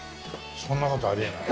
そんな事あり得ない。